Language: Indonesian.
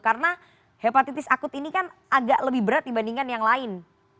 karena hepatitis akut ini kan agak lebih berat dibandingkan yang lain